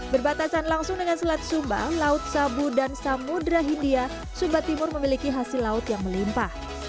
berbatasan langsung dengan selat sumba laut sabu dan samudera hindia sumba timur memiliki hasil laut yang melimpah